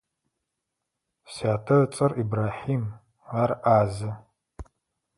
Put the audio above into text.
Сятэ ыцӏэр Ибрахьим, ар ӏазэ.